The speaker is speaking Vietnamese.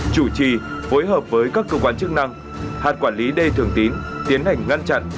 chủ trì phối hợp với các cơ quan chức năng hạt quản lý đê thường tín tiến hành ngăn chặn